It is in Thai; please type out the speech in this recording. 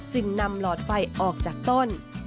จึงนำหลอดไฟออกจากต้น